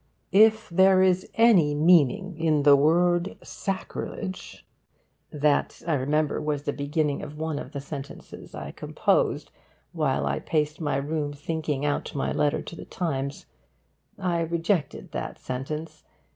If there is any meaning in the word sacrilege That, I remember, was the beginning of one of the sentences I composed while I paced my room, thinking out my letter to The Times. I rejected that sentence.